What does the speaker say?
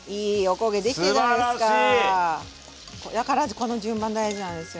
これは必ずこの順番大事なんですよ。